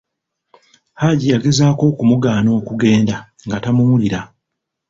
Haji yagezaako okumugaana okugenda nga tamuwulira!